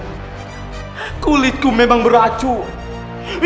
itulah alasannya kulitku memang beracun